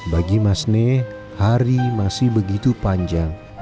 bagi mas neh hari masih begitu panjang